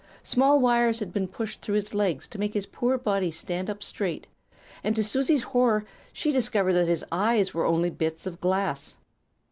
Small wires had been pushed through his legs to make his poor body stand up straight, and to Susie's horror she discovered that his eyes were only bits of glass!